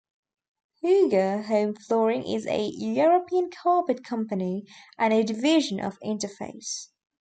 Heuga Home Flooring is a European carpet company and a division of Interface.